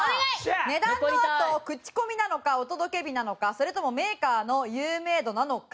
値段のあと口コミなのかお届け日なのかそれともメーカーの有名度なのか。